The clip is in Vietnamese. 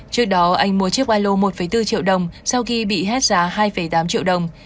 trước đó anh mua chiếc alo một bốn triệu đồng sau khi bị hết giá hai tám triệu đồng